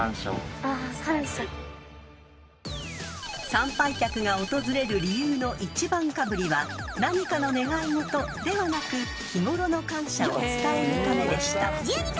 ［参拝客が訪れる理由の１番かぶりは何かの願い事ではなく日頃の感謝を伝えるためでした］